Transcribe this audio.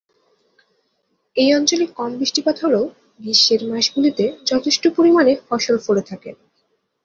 এই অঞ্চলে কম বৃষ্টিপাত হলেও গ্রীষ্মের মাসগুলিতে যথেষ্ট পরিমাণে ফসল ফলে থাকে।